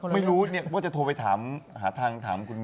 ไม่รู้ว่าจะโทรไปหาทางถามคุณพ่อ